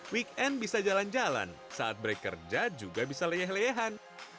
weekend bisa jalan jalan saat break kerja juga bisa leyeh leyehan